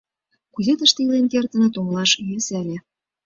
Кузе тыште илен кертыныт — умылаш йӧсӧ ыле.